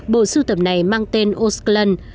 bộ sưu tập này mang tên osclan